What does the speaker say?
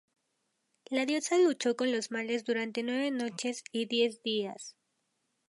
La diosa luchó con los males durante nueve noches y diez días.